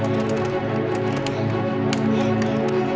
mereka nantai semua rashid